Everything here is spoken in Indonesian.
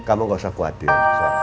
kamu nggak usah khawatir